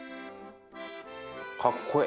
かっこええ